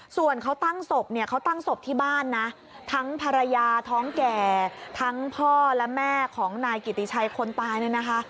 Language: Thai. ส่วนเขาตั้งสบที่บ้านทั้งภรรยาท้องแก่ทั้งพ่อและแม่ของนายกิติชัยคนตาย